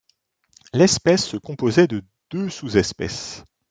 L'espèce se composait de deux sous-espèces.